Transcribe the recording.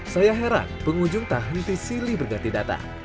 saya heran pengunjung tak henti silih berganti data